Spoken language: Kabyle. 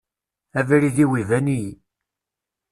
Abrid-iw iban-iyi.